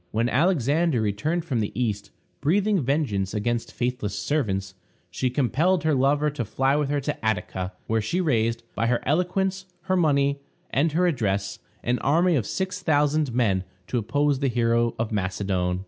When Alexander returned from the East, breathing vengeance against faithless servants, she compelled her lover to fly with her to Attica, where she raised, by her eloquence, her money, and her address, an army of six thousand men to oppose the hero of Macedon.